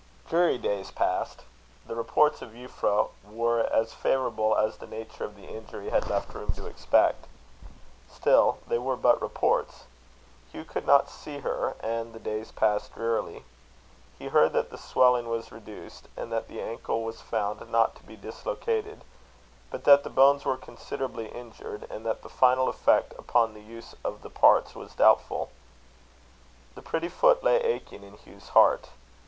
Dreary days passed. The reports of Euphra were as favourable as the nature of the injury had left room to expect. Still they were but reports: Hugh could not see her, and the days passed drearily. He heard that the swelling was reduced, and that the ankle was found not to be dislocated, but that the bones were considerably injured, and that the final effect upon the use of the parts was doubtful. The pretty foot lay aching in Hugh's heart.